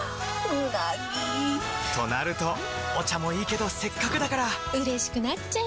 うなぎ！となるとお茶もいいけどせっかくだからうれしくなっちゃいますか！